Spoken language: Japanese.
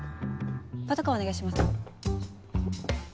パトカーお願いします。